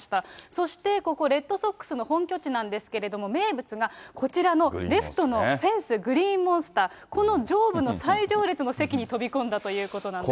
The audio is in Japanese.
そしてここ、レッドソックスの本拠地なんですけども、名物が、こちらのレフトのフェンス、グリーンモンスター、この上部の最上列の席に飛び込んだということなんです。